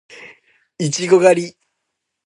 いちご狩り